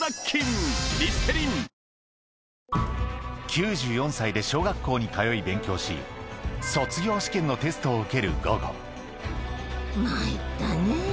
９４歳で小学校に通い勉強し卒業試験のテストを受けるゴゴ